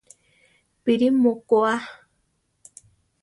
¿Píri mu koʼa?